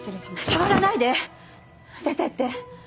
触らないで！出てって。